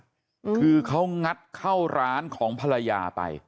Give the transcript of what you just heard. คือเขางัดเข้าร้านของภรรยาไป